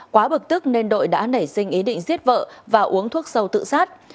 quá bực tức nên đội đã nảy sinh ý định giết vợ và uống thuốc sâu tự sát